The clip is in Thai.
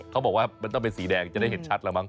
เขาบอกว่ามันต้องเป็นสีแดงจะได้เห็นชัดแล้วมั้